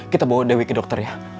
kita bawa dewi ke dokter ya